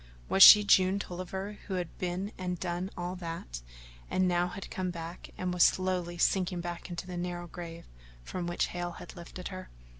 Was she June Tolliver who had been and done all that, and now had come back and was slowly sinking back into the narrow grave from which Hale had lifted her?